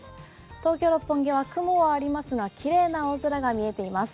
東京・六本木は雲はありますが綺麗な青空が見えています。